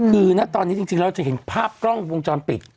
คือณตอนนี้จริงเราจะเห็นภาพกล้องวงจรปิด